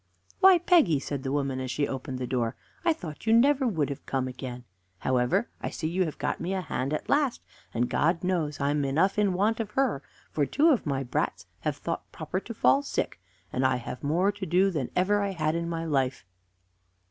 "Why, Peggy," said the woman, as she opened the door, "I thought you never would have come again! However, I see you have got me a hand at last, and God knows I'm enough in want of her; for two of my brats have thought proper to fall sick, and I have more to do than ever I had in my life."